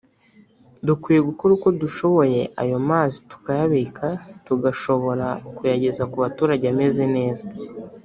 dukwiye gukora uko dushoboye ayo mazi tukayabika tugashobora kuyageza ku baturage ameze neza”